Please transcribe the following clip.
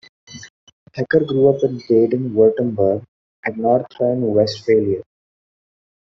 Hecker grew up in Baden-Wuerttemberg and North Rhine-Westphalia.